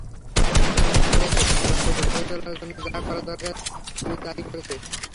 তোর ছেলেকে ভালো করে গড়ে তোলার জন্য যা করা দরকার তুই তা করেছিস।